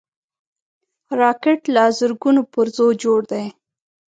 راکټ له زرګونو پرزو جوړ دی